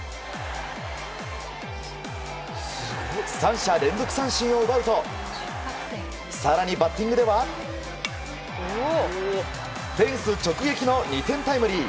３者連続三振を奪うと更に、バッティングではフェンス直撃の２点タイムリー。